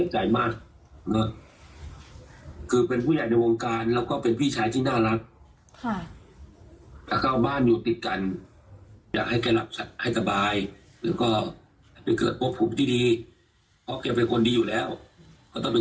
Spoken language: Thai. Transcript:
ใจบุญเจ้ากุศรมึงเขาเป็นเรื่องอยู่แล้วพิมพฤษเนี่ยก็ให้กันไปสู้ทุกกฎิ